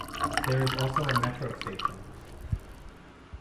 There is also a metro station.